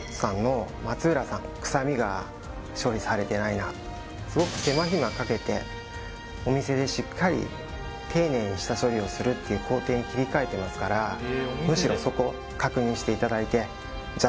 まずはすごく手間暇かけてお店でしっかり丁寧に下処理をするっていう工程に切り替えてますからと思います